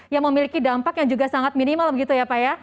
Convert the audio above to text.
yang memiliki dampak yang juga sangat minimal begitu ya pak ya